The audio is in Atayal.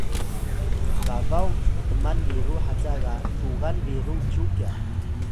babaw ptman-biru haca ga tugan biru cyu kya